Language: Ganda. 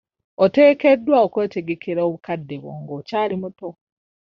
Oteekeddwa okwetegekera obukadde bwo ng'okyali muto.